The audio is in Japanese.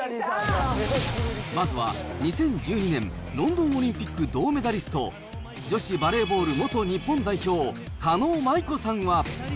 まずは、２０１２年ロンドンオリンピック銅メダリスト、女子バレーボール元日本代表、狩野舞子さんは。